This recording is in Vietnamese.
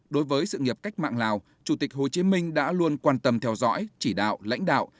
đối với sự nghiệp cách mạng lào chủ tịch hồ chí minh đã luôn quan tâm theo dõi chỉ đạo lãnh đạo